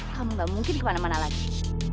kamu gak mungkin kemana mana lagi